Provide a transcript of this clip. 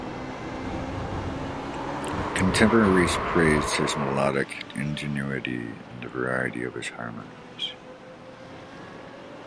Contemporaries praised his melodic ingenuity and the variety of his harmonies.